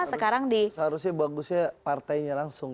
seharusnya bagusnya partainya langsung